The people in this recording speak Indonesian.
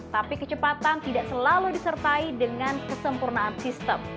tapi kecepatan tidak selalu disertai dengan kesempurnaan sistem